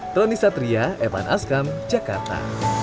tony satria evan askam jakarta